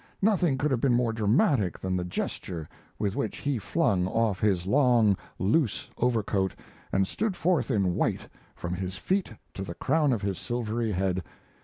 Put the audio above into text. Nothing could have been more dramatic than the gesture with which he flung off his long, loose overcoat and stood forth in white from his feet to the crown of his silvery head.